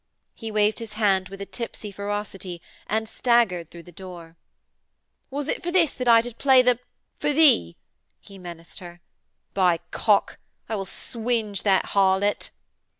He waved his hand with a tipsy ferocity and staggered through the door. 'Was it for this I did play the for thee?' he menaced her. 'By Cock! I will swinge that harlot!'